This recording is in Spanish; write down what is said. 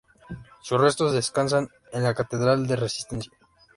Sus restos descansan en la Catedral de Resistencia.